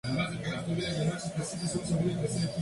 ¡ yo pagaré! ¡ yo pagaré!